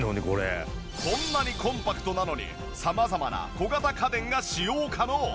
こんなにコンパクトなのに様々な小型家電が使用可能。